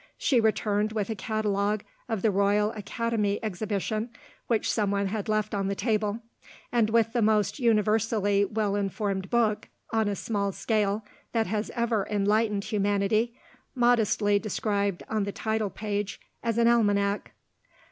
She returned with a catalogue of the Royal Academy Exhibition (which someone had left on the table), and with the most universally well informed book, on a small scale, that has ever enlightened humanity modestly described on the title page as an Almanac.